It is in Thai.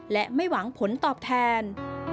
และไม่หวังผลตอบแทน